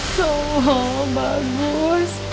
ya allah bagus